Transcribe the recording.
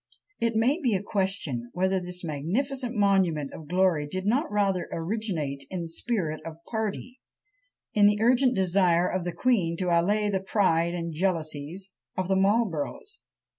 It may be a question, whether this magnificent monument of glory did not rather originate in the spirit of party, in the urgent desire of the queen to allay the pride and jealousies of the Marlboroughs.